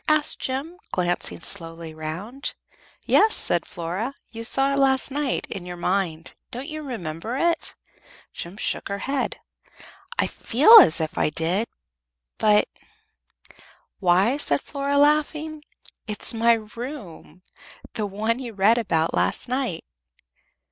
asked Jem, glancing slowly round. "Yes," said Flora; "you saw it last night in your mind. Don't you remember it?" Jem shook her head. "I feel as if I did, but " "Why," said Flora, laughing, "it's my room, the one you read about last night."